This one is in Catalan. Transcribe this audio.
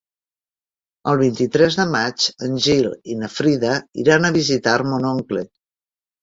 El vint-i-tres de maig en Gil i na Frida iran a visitar mon oncle.